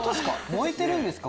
燃えてるんですか？